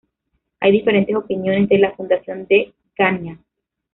Hay diferentes opiniones de la fundación de Ganyá.